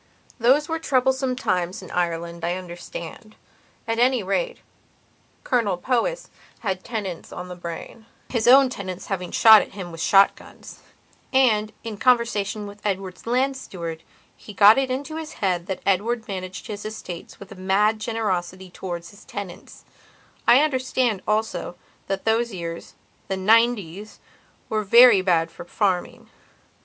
Those were troublesome times in Ireland, I understand. At any rate, Colonel Powys had tenants on the brainhis own tenants having shot at him with shot guns. And, in conversation with Edward's land steward, he got it into his head that Edward managed his estates with a mad generosity towards his tenants. I understand, also, that those yearsthe 'ninetieswere very bad for farming.